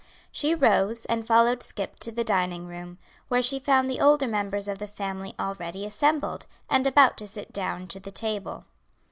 She rose and followed Scip to the dining room, where she found the older members of the family already assembled, and about to sit down to the table.